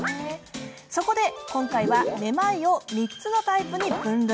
そこで今回はめまいを３つのタイプに分類。